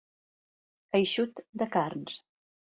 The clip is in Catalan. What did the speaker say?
Eixut de carns.